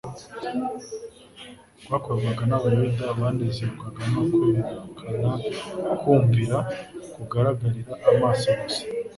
ryakorwaga n'abayuda banezezwaga no kwerakana kumvira kugaragarira amaso gusa.